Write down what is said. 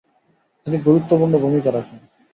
তিনি গুরুত্বপূ্র্ণ ভূমিকা রাখেন।